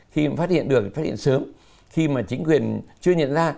khi mà phát hiện được thì phát hiện sớm khi mà chính quyền chưa nhận ra